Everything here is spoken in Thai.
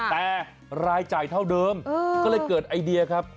แต่รายจ่ายเท่าเดิมก็เลยเกิดไอเดียครับ